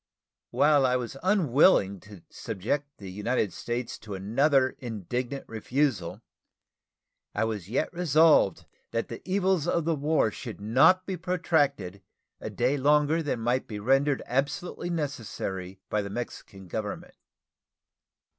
While I was unwilling to subject the United States to another indignant refusal, I was yet resolved that the evils of the war should not be protracted a day longer than might be rendered absolutely necessary by the Mexican Government.